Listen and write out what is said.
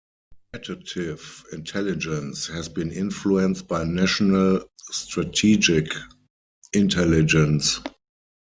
Competitive intelligence has been influenced by national strategic intelligence.